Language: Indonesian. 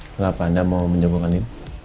kenapa anda mau menjogokkan din